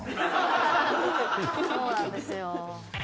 そうなんですよ。